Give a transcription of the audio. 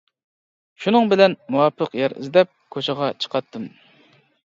شۇنىڭ بىلەن مۇۋاپىق يەر ئىزدەپ كوچىغا چىقاتتىم.